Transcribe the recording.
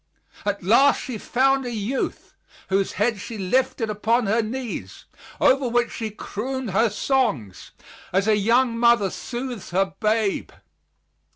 At last she found a youth, whose head she lifted upon her knees, over which she crooned her songs, as a young mother soothes her babe.